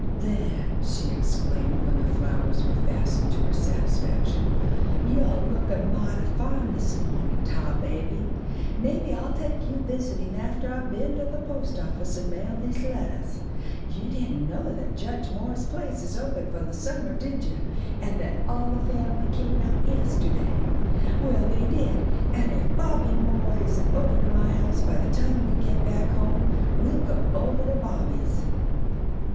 "There!" she exclaimed, when the flowers were fastened to her satisfaction. "Yo' lookin' mighty fine this mawnin', Tarbaby! Maybe I'll take you visitin' aftah I've been to the post office and mailed these lettahs. You didn't know that Judge Moore's place is open for the summah, did you, and that all the family came out yesta'day? Well, they did, and if Bobby Moore isn't ovah to my house by the time we get back home, we'll go ovah to Bobby's."